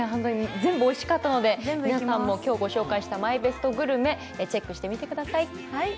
全部おいしかったので、皆さんもぜひ今日ご紹介したマイベストグルメチェックしてみてください。